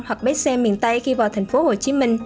hoặc bếp xe miền tây khi vào tp hcm